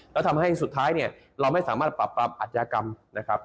แล้วทำให้สุดท้ายเนี่ยเราไม่สามารถปรับปรามอาชญากรรมนะครับ